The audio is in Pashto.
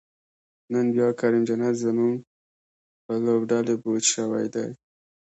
نن بیا کریم جنت زمونږ په لوبډلی بوج شوی دی